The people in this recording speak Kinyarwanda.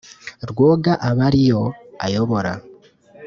rwoga aba ari yo ayobora.